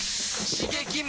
刺激！